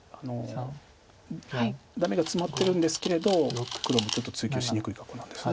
ダメがツマってるんですけれど黒もちょっと追及しにくい格好なんです。